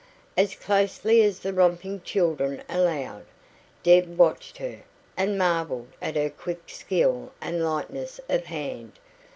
As closely as the romping children allowed, Deb watched her, and marvelled at her quick skill and lightness of hand.